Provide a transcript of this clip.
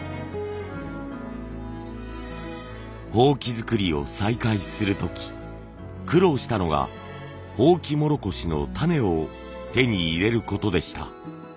箒作りを再開する時苦労したのがホウキモロコシの種を手に入れることでした。